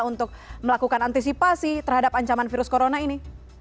untuk melakukan antisipasi terhadap ancaman virus corona ini